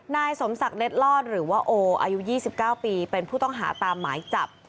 นายสมศักดิ์เล็ดลอดหรือว่าโออายุ๒๙ปีเป็นผู้ต้องหาตามหมายจับ